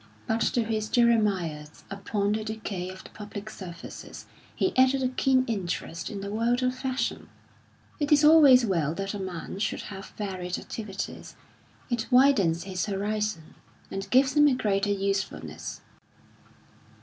But to his Jeremiads upon the decay of the public services he added a keen interest in the world of fashion; it is always well that a man should have varied activities; it widens his horizon, and gives him a greater usefulness.